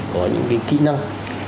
có những kỹ năng